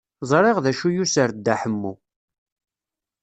Ẓriɣ d acu yuser Dda Ḥemmu.